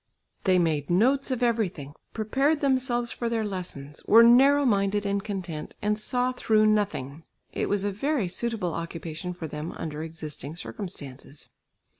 They made notes of everything, prepared themselves for their lessons, were narrow minded and content, and saw through nothing. It was a very suitable occupation for them under existing circumstances.